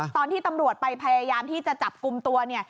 ตอนที่ตำรวจไปพยายามที่จะจับกลุ่มตัวเนี่ย